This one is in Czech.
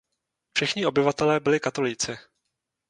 Všichni obyvatelé byli katolíci.